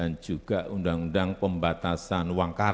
sesuai dengan zeitgeist kita seharusnya